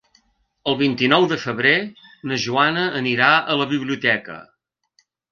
El vint-i-nou de febrer na Joana anirà a la biblioteca.